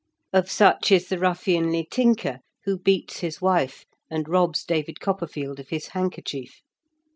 Of such is the ruflfianly tinker who beats his YAOEANCT IN KENT. 35 wife and robs David Copperfield of his hand kerchief.